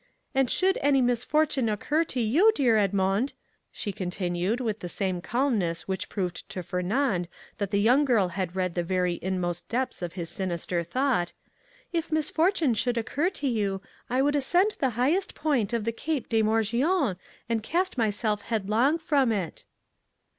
"And should any misfortune occur to you, dear Edmond," she continued with the same calmness which proved to Fernand that the young girl had read the very innermost depths of his sinister thought, "if misfortune should occur to you, I would ascend the highest point of the Cape de Morgiou and cast myself headlong from it."